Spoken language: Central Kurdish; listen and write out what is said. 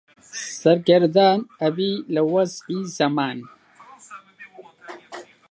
سەرگەردان ئەبێ لە وەزعی زەمان